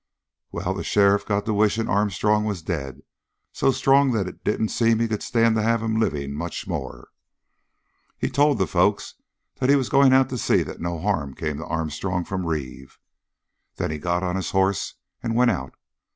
"Well, the sheriff got to wishing Armstrong was dead so strong that it didn't seem he could stand to have him living much more. He told the folks that he was going out to see that no harm come to Armstrong from Reeve. Then he got on his hoss and went out.